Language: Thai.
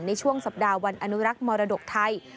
ในช่วงสัปดาห์วันอนุรักษ์มรดกไทย